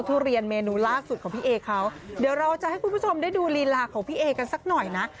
เดี๋ยวเราจะให้คุณผู้ชมได้ดูรีลาของพี่เอ๋กันสักหน่อยนะ